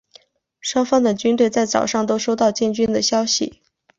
双方的军队在早上都收到进军的消息。